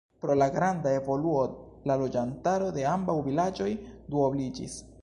Pro la granda evoluo la loĝantaro de ambaŭ vilaĝoj duobliĝis.